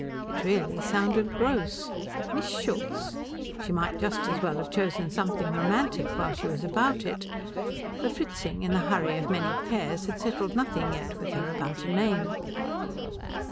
It really sounded gross. Miss Schultz? She might just as well have chosen something romantic while she was about it, for Fritzing in the hurry of many cares had settled nothing yet with her about a name.